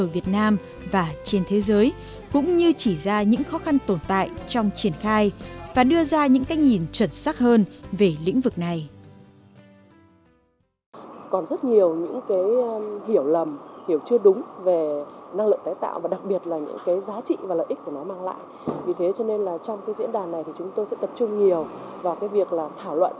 vì thế cho nên trong diễn đàn này chúng tôi sẽ tập trung nhiều vào việc thảo luận